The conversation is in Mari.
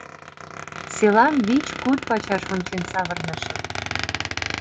Селам вич-куд пачаш ончен савырнышым.